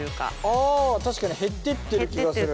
あ確かに減っていってる気がする。